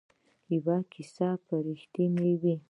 یوه کیسه به ریښتیا وي.